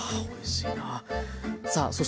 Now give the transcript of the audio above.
おいしいなぁ。